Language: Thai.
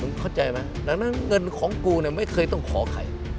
ผมเข้าใจไหมดังนั้นเงินของกูเนี่ยไม่เคยต้องขอใคร